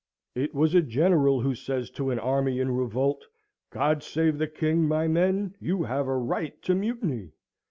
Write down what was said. It was a general who says to an army in revolt, "God save the king! My men, you have a right to mutiny!"